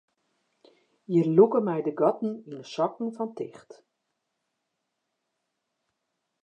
Hjir lûke my de gatten yn de sokken fan ticht.